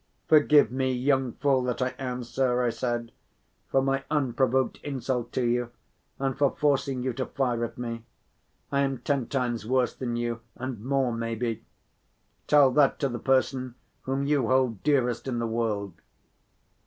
"Forgive me, young fool that I am, sir," I said, "for my unprovoked insult to you and for forcing you to fire at me. I am ten times worse than you and more, maybe. Tell that to the person whom you hold dearest in the world."